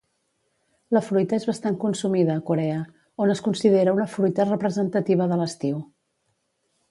La fruita és bastant consumida a Corea, on es considera una fruita representativa de l'estiu.